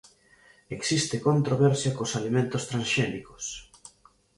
Existe controversia cos alimentos transxénicos